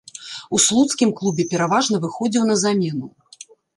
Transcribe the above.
У слуцкім клубе пераважна выхадзіў на замену.